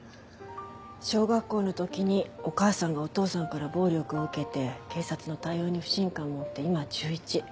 小学校の時にお母さんがお父さんから暴力を受けて警察の対応に不信感を持って今中１。